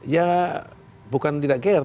ya bukan tidak gr